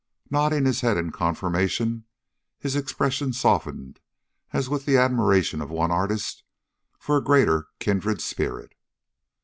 Nodding his head in confirmation, his expression softened, as with the admiration of one artist for a greater kindred spirit.